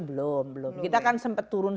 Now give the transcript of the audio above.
belum belum kita kan sempat turun